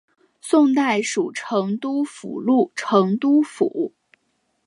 宋代属成都府路成都府。